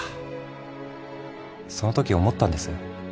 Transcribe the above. そのとき思ったんです。